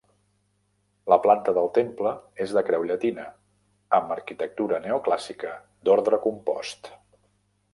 La planta del temple és de creu llatina, amb arquitectura neoclàssica d'orde compost.